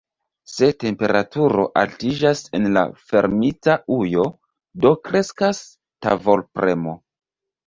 Se temperaturo altiĝas en la fermita ujo, do kreskas tavolpremo.